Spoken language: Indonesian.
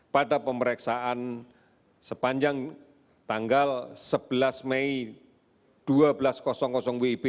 pada pemeriksaan sepanjang tanggal sebelas mei dua belas wib